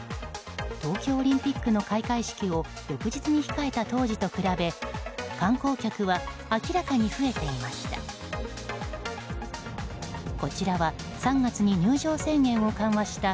東京オリンピックの開会式を翌日に控えた当時と比べ、観光客は明らかに増えていました。